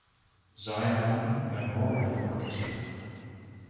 Zion Memorial Orchestra.